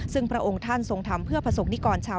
ซึ่งพระองค์ท่านทรงทำเพื่อประสบความขัดแย้งไม่ยาวนาน